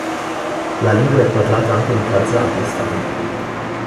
La lingua è parlata anche in Kazakistan.